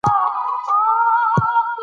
ایا تاسو د مفتي صاحب بشپړ نظر اورېدلی دی؟